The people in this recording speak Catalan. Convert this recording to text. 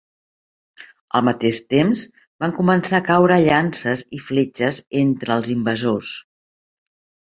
Al mateix temps, van començar a caure llances i fletxes entre els invasors.